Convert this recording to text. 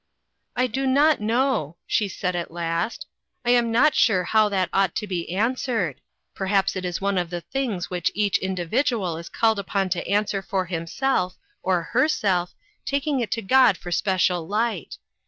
" I do not know," she said, at last ;" I am not sure how that ought to be answered. Perhaps it is one of the things which each individual is called upon to answer for him self, or herself, taking it to God for special light.